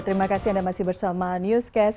terima kasih anda masih bersama newscast